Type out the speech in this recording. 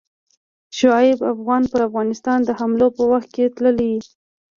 شعیب افغان پر افغانستان د حملو په وخت کې تللی.